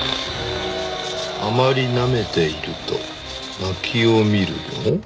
「あまり舐めていると泣きを見るよ」